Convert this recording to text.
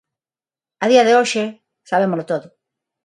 A día de hoxe sabémolo todo.